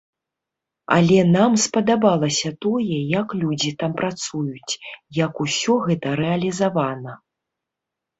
Але нам спадабалася тое, як людзі там працуюць, як усё гэта рэалізавана!